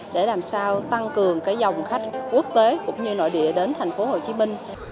để làm sao tăng cường dòng khách quốc tế cũng như nội địa đến thành phố hồ chí minh